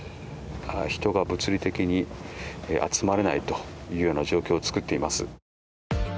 人が物理的に集まれないというような状況を作っています。